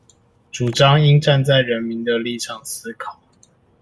主張應站在人民的立場思考